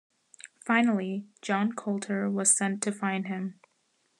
Finally John Colter was sent to find him.